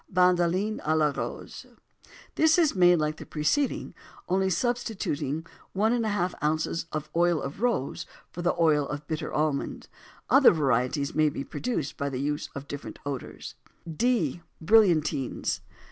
BANDOLINE À LA ROSE. This is made like the preceding, only substituting 1½ oz. of oil of rose for the oil of bitter almond. Other varieties may be produced by the use of different odors. D. Brillantines.